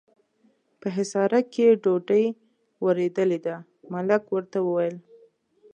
په حصارک کې ډوډۍ ورېدلې ده، ملک ورته وویل.